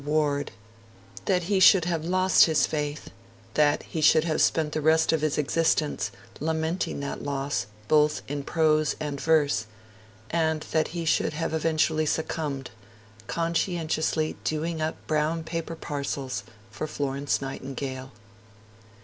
Ward; that he should have lost his faith; that he should have spent the rest of his existence lamenting that loss, both in prose and verse; and that he should have eventually succumbed, conscientiously doing up brown paper parcels for Florence Nightingale.